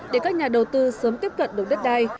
để các nhà đầu tư sớm tiếp cận được đất đai